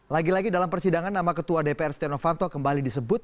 lagi lagi dalam persidangan nama ketua dpr setia novanto kembali disebut